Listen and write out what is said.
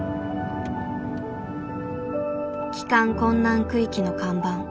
帰還困難区域の看板。